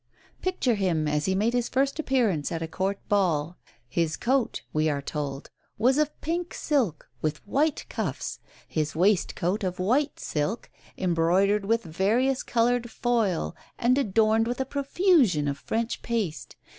Picture him as he made his first appearance at a Court ball. "His coat," we are told, "was of pink silk, with white cuffs; his waistcoat of white silk, embroidered with various coloured foil and adorned with a profusion of French paste.